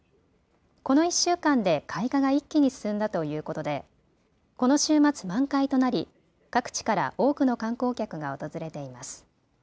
この１週間で開花が一気に進んだということでこの週末、満開となり各地から多くの観光客が訪れています。